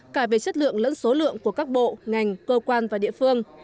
cả về chất lượng lẫn số lượng của các bộ ngành cơ quan và địa phương